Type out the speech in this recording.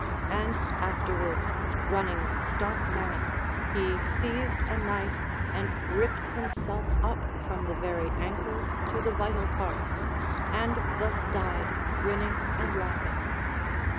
And afterwards running stark mad, he seized a knife, and ripped himself up from the very ankles to the vital parts, and thus died grinning and laughing.